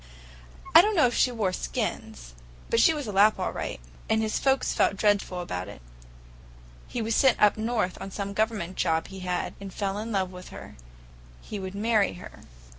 "I don't know if she wore skins, but she was a Lapp all right, and his folks felt dreadful about it. He was sent up north on some Government job he had, and fell in with her. He would marry her."